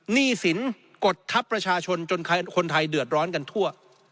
หนี้สินกดทัพประชาชนจนคนไทยเดือดร้อนกันทั่ว